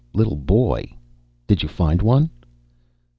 "Little boy? Did you find one?"